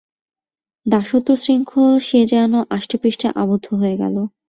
দাসত্বশৃঙ্খলে সে যেন আষ্টেপৃষ্ঠে আবদ্ধ হয়ে গেল।